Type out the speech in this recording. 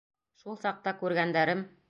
Шул саҡта күргәндәрем...